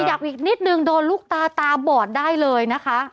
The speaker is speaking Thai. อยากอีกนิดนึงโดนลูกตาตาบอดได้เลยนะคะ